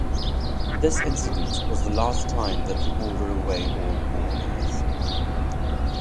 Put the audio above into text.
This incident was the last time that the order Away All Boarders!